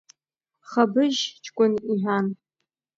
Хабыжьчкәын, — иҳәан…